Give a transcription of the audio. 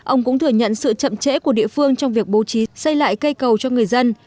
ông cũng thừa nhận sự chậm trễ của địa phương trong việc bố trí xây lại cây cầu cho người dân